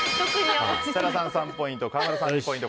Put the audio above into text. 設楽さん３ポイント川村さん２ポイント